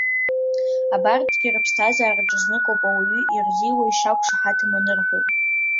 Абарҭгьы рыԥсҭазаараҿы зныкоуп ауаҩы ирзиуа ишақәшаҳаҭым анырҳәо.